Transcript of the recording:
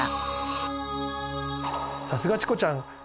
さすがチコちゃん！